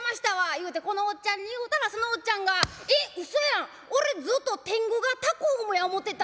いうてこのおっちゃんに言うたらそのおっちゃんが「えっうそやん俺ずっと『天狗がタコを生む』や思てた」